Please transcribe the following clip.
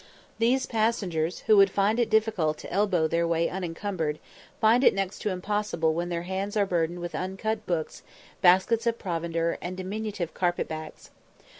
These passengers, who would find it difficult to elbow their way unencumbered, find it next to impossible when their hands are burdened with uncut books, baskets of provender, and diminutive carpet bags.